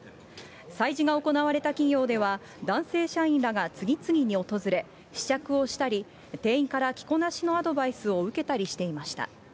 催事が行われた企業では、男性社員らが次々に訪れ、試着をしたり、店員から着こなしのアドバイスを受けたりしていました。